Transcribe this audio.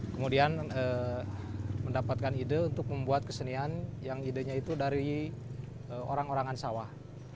kemudian mendapatkan ide untuk membuat kesenian yang idenya itu dari orang orangan sawah